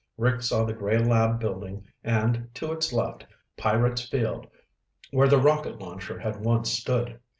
Rick saw the gray lab building and, to its left, Pirate's Field where the rocket launcher had once stood.